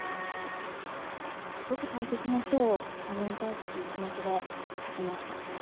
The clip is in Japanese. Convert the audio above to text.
すごく大切な人を守りたいっていう気持ちで書きました。